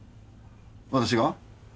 私が？